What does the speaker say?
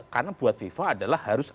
karena buat viva adalah harus